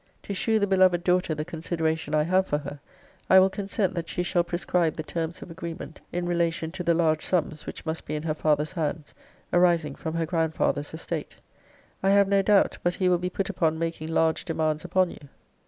'To shew the beloved daughter the consideration I have for her, I will consent that she shall prescribe the terms of agreement in relation to the large sums, which must be in her father's hands, arising from her grandfather's estate. I have no doubt, but he will be put upon making large demands upon you.